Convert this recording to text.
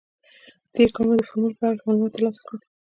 تېر کال مو د فورمول په هکله معلومات تر لاسه کړل.